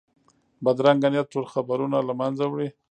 بدرنګه نیت ټول خیرونه له منځه وړي